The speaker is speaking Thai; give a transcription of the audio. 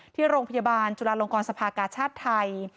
ที่โรงพยาบาลจุฬาลงกรสภากาชาติไทย